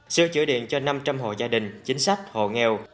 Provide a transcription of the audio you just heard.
sửa chữa điện cho năm trăm linh hồ gia đình chính sách hồ nghèo